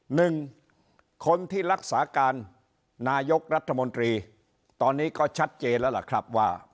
หนึ่งคนที่รักษาการนายกรัฐมนตรีตอนนี้ก็ชัดเจนแล้วล่ะครับว่า